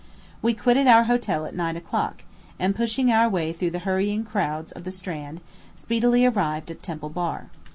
We quitted our hotel at nine o'clock, and, pushing our way through the hurrying crowds of the Strand, speedily arrived at Temple Bar.